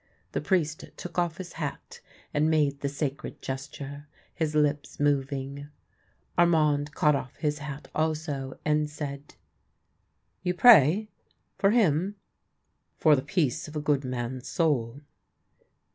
The priest took off his hat and made the sacred gesture, his lips moving. Armaiid caught off his hat also, and said, " You pray — for him ?"" For the peace of a good man's soul."